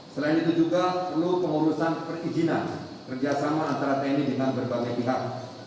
selain itu juga perlu pengurusan perizinan kerjasama antara tni dengan berbagai pihak